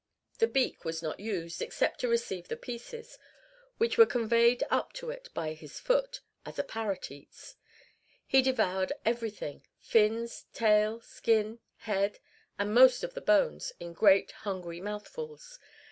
The beak was not used, except to receive the pieces, which were conveyed up to it by his foot, as a parrot eats. He devoured everything fins, tail, skin, head, and most of the bones, in great hungry mouthfuls.